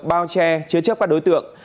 bao che chế chấp các đối tượng